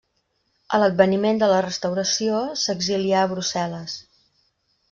A l'adveniment de la Restauració s'exilià a Brussel·les.